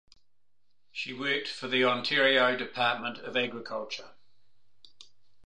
She worked for the Ontario Department of Agriculture.